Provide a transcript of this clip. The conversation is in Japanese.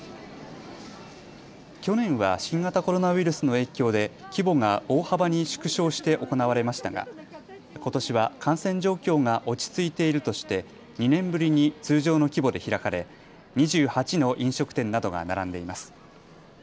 去年は新型コロナウイルスの影響で規模が大幅に縮小して行われましたがことしは感染状況が落ち着いているとして２年ぶりに通常の規模で開かれ２８の飲食店などが並んでいます。